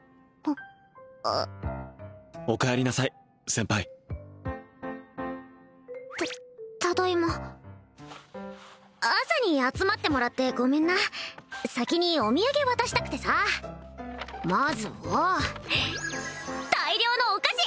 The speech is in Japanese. あおかえりなさい先輩たただいま朝に集まってもらってごめんな先にお土産渡したくてさまずは大量のお菓子！